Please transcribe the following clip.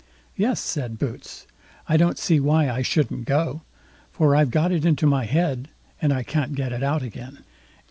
"Yes!" said Boots, "I don't see why I shouldn't go, for I've got it into my head, and can't get it out again."